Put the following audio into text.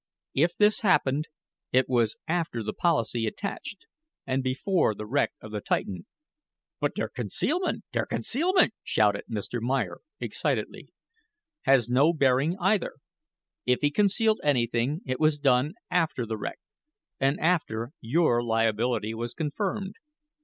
If this happened, it was after the policy attached and before the wreck of the Titan." "But der concealment der concealment," shouted Mr. Meyer, excitedly. "Has no bearing, either. If he concealed anything it was done after the wreck, and after your liability was confirmed.